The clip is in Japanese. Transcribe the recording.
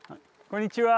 こんにちは。